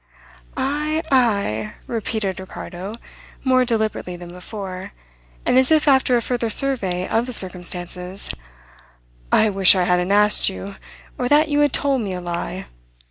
"Ay, ay!" repeated Ricardo more deliberately than before, and as if after a further survey of the circumstances, "I wish I hadn't asked you, or that you had told me a lie.